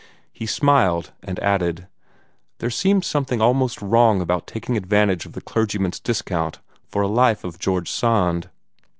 He smiled as he added, "There seems something almost wrong about taking advantage of the clergyman's discount for a life of George Sand."